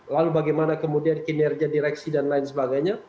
lalu bagaimana kemudian kinerja direksi dan lain sebagainya